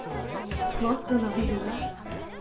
もっと伸びるわ。